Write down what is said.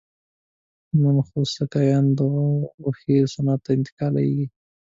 نر خوسکایان د غوښې صنعت ته انتقالېږي.